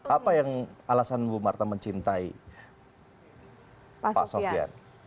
apa yang alasan ibu marta mencintai pak sofian